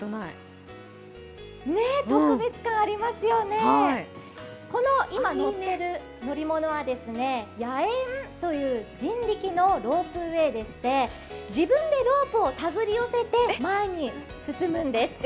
特別感ありますよね、この今乗っている乗り物は野猿という人力のロープウエーでして、自分でロープを手繰り寄せて前に進むんです。